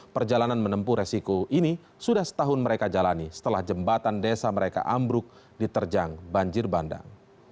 perjalanan menempuh resiko ini sudah setahun mereka jalani setelah jembatan desa mereka ambruk diterjang banjir bandang